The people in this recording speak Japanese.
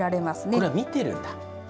これは見てるんだ。